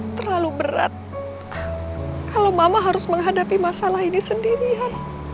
terlalu berat kalau mama harus menghadapi masalah ini sendirian